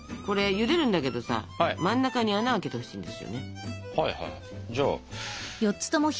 これゆでるんだけどさ真ん中に穴開けてほしいんですよね。